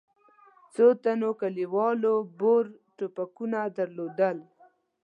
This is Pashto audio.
څو تنو کلیوالو بور ټوپکونه درلودل.